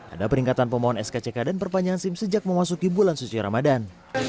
ada peningkatan pemohon skck dan perpanjangan sim sejak memasuki bulan suci ramadan